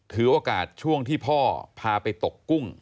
ถือโอกาสช่วงที่พ่อพาไปตกกุ้ง